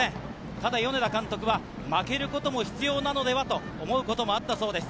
ただ、米田監督は負けることも必要なのではと思うこともあったそうです。